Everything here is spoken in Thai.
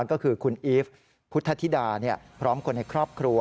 ก็คือคุณอีฟพุทธธิดาพร้อมคนในครอบครัว